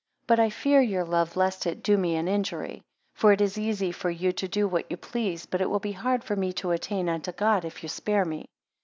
4 But I fear your love, lest it do me an injury; for it is easy for you to do what you please; but it will be hard for me to attain unto God, if you spare me.